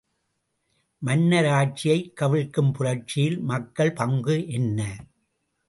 மன்னராட்சியைக் கவிழ்க்கும் புரட்சியில் மக்கள் பங்கு என்ன?